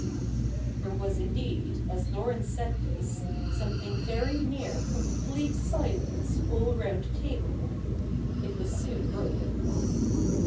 There was, indeed, as Laurence said this, something very near complete silence all round the table. It was soon broken.